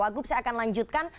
kita akan lanjutkan